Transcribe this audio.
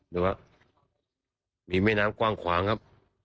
ดูว่ามีเมืองน้ำกว้างขวางครับ